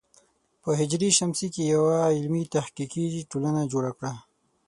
په ه ش کې یوه علمي تحقیقي ټولنه جوړه کړه.